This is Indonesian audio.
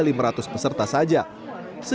ketika perekaman ktp elektronik di sdukcapil jepara